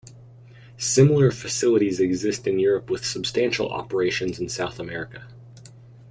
Similar facilities exist in Europe with substantial operations in South America.